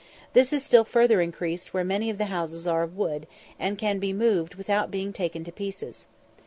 This is still further increased where many of the houses are of wood, and can be moved without being taken to pieces.